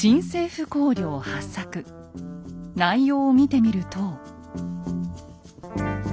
内容を見てみると。